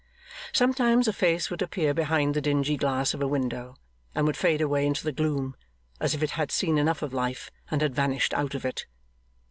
Sometimes a face would appear behind the dingy glass of a window, and would fade away into the gloom as if it had seen enough of life and had vanished out of it.